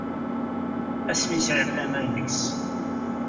Asmi sɛiɣ laman deg-s.